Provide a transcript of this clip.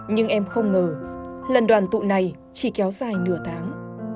nhưng em không ngờ lần đoàn tụ này chỉ kéo dài nửa tháng